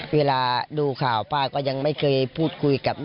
เวลาดูข่าวป้าก็ยังไม่เคยพูดคุยกับแม่